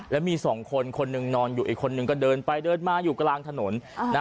แล้วมีสองคนคนหนึ่งนอนอยู่อีกคนนึงก็เดินไปเดินมาอยู่กลางถนน